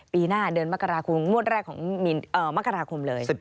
ปีหน้าเดือนมกราคมงวดแรกของมกราคมเลย